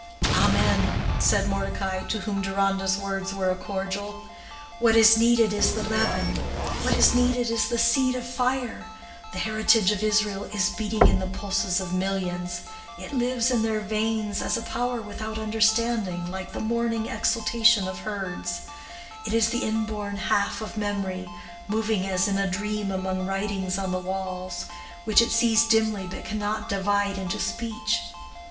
"Amen," said Mordecai, to whom Deronda's words were a cordial. "What is needed is the leaven—what is needed is the seed of fire. The heritage of Israel is beating in the pulses of millions; it lives in their veins as a power without understanding, like the morning exultation of herds; it is the inborn half of memory, moving as in a dream among writings on the walls, which it sees dimly but cannot divide into speech.